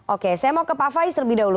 oke saya mau ke pak faiz terlebih dahulu